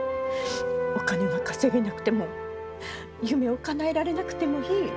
お金が稼げなくても夢をかなえられなくてもいい。